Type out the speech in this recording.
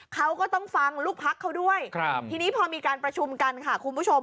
เขาก็ต้องฟังลูกพักเขาด้วยทีนี้พอมีการประชุมกันค่ะคุณผู้ชม